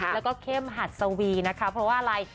แล้วก็เข้มหัดสวีนะคะเพราะว่าอะไร